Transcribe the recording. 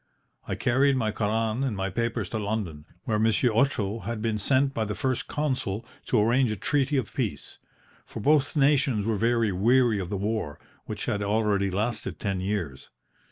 I carried my Koran and my papers to London, where Monsieur Otto had been sent by the First Consul to arrange a treaty of peace; for both nations were very weary of the war, which had already lasted ten years.